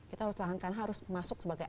kita harus lahan kan harus masuk sebagai